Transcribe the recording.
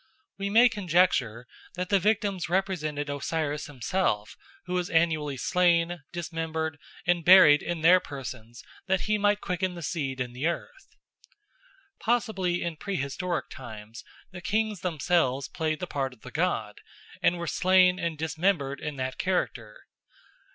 We may conjecture that the victims represented Osiris himself, who was annually slain, dismembered, and buried in their persons that he might quicken the seed in the earth. Possibly in prehistoric times the kings themselves played the part of the god and were slain and dismembered in that character.